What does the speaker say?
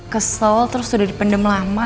kesel terus udah dipendam lama